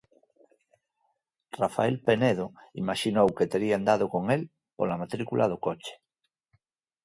Rafael Penedo imaxinou que terían dado con el pola matrícula do coche.